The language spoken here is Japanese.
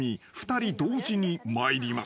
２人同時に参ります］